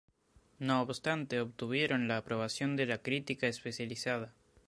No obstante, obtuvieron la aprobación de la crítica especializada.